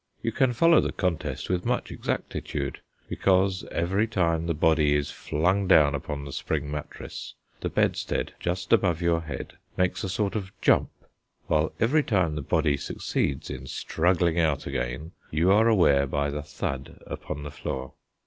You can follow the contest with much exactitude, because every time the body is flung down upon the spring mattress, the bedstead, just above your head, makes a sort of jump; while every time the body succeeds in struggling out again, you are aware by the thud upon the floor.